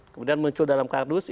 kemudian muncul dalam kardus